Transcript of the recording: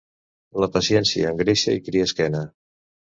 La paciència engreixa i cria esquena.